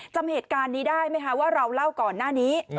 จำเหตุการณ์นี้ได้ไหมคะว่าเราเล่าก่อนหน้านี้